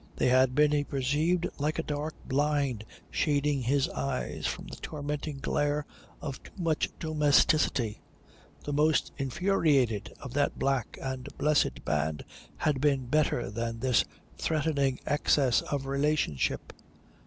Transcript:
They had been, he perceived, like a dark blind shading his eyes from the tormenting glare of too much domesticity. The most infuriated of that black and blessed band had been better than this threatening excess of relationship.